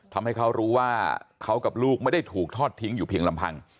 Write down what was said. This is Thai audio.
ทำให้เขารู้ว่าเขากับลูกไม่ได้ถูกทอดทิ้งอยู่เพียงลำพัง